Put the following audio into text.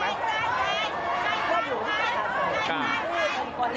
ไม่ได้อยู่กับครั้งหลายคน